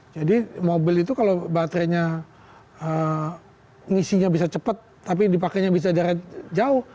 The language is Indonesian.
jadi mobil itu kalau baterainya ngisinya bisa cepat tapi dipakainya bisa jarak jauh